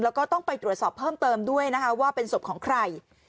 แล้วก็ต้องไปตรวจสอบเพิ่มเติมด้วยนะคะว่าเป็นศพของใคร